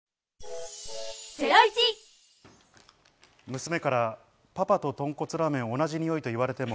娘からパパととんこつラーメン、同じにおいと言われても。